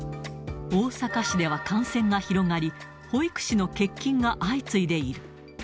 大阪市では感染が広がり、保育士の欠勤が相次いでいる。